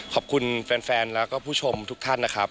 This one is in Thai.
ขอบคุณแฟนแล้วก็ผู้ชมทุกท่านนะครับ